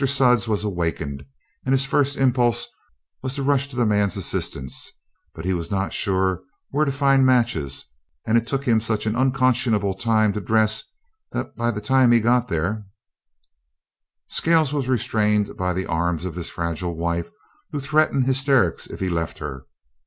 Sudds was awakened, and his first impulse was to rush to the man's assistance, but he was not sure where to find matches, and it took him such an unconscionable time to dress that by the time he got there Scales was restrained by the arms of his fragile wife who threatened hysterics if he left her.